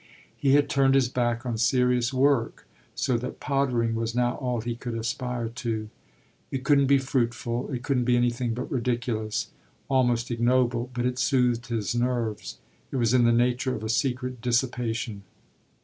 He had turned his back on serious work, so that pottering was now all he could aspire to. It couldn't be fruitful, it couldn't be anything but ridiculous, almost ignoble; but it soothed his nerves, it was in the nature of a secret dissipation.